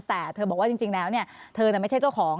แต่เธอบอกว่าจริงแล้วเธอไม่ใช่เจ้าของ